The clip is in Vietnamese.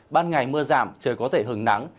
ban ngày mưa giảm trời có thể hứng nắng